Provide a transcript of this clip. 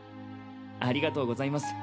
ありがとうございます。